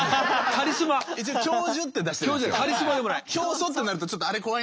カリスマでもない。